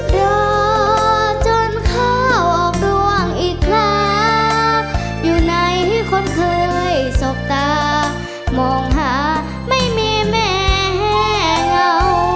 รอจนข้าวออกร่วงอีกครั้งอยู่ไหนคนเคยสบตามองหาไม่มีแม่เหงา